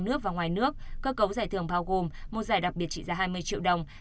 nước và ngoài nước cơ cấu giải thưởng bao gồm một giải đặc biệt trị giá hai mươi triệu đồng